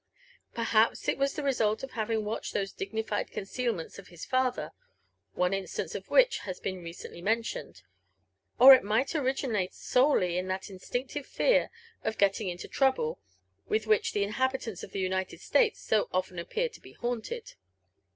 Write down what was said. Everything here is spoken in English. Perhaps it was the result of having watched those dignified concealmenls of his father, one in stance of which has been recently mentioned ; or it might originate solely in that instinctive fear of "getting into trouble," with which the inhabitanls of the United States so often appear to be haunted.